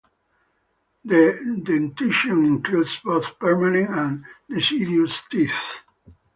The dentition includes both permanent and deciduous teeth.